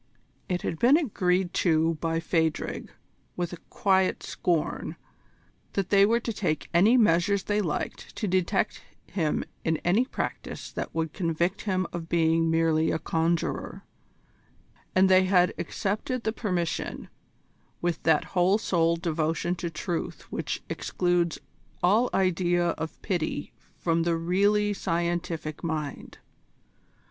It had been agreed to by Phadrig, with a quiet scorn, that they were to take any measures they liked to detect him in any practice that would convict him of being merely a conjurer; and they had accepted the permission with that whole souled devotion to truth which excludes all idea of pity from the really scientific mind.